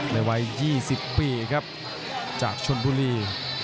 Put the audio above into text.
วัย๒๐ปีครับจากชนบุรี